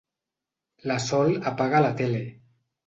La Sol apaga la tele.